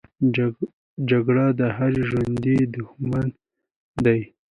جګړه د هر ژوندي دښمنه ده